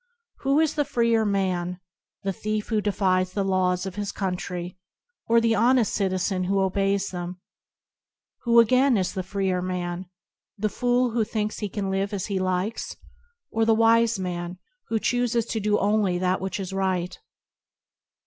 Who is the freer man, the thief who defies the laws of his country, or the honest citizen who obeys them ? Who, again, is the freer man, the fool who thinks he can live as he likes, or the wise man who chooses to do only that which is right?